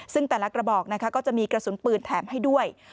ซึ่งแต่ละกระบอกนะคะก็จะมีกระสุนปืนแถมให้ด้วย